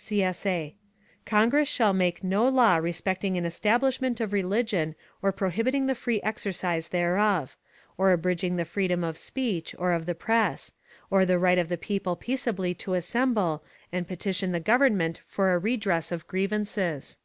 [CSA] Congress shall make no law respecting an establishment of religion, or prohibiting the free exercise thereof; or abridging the freedom of speech, or of the press; or the right of the people peaceably to assemble and petition the Government for a redress of grievances.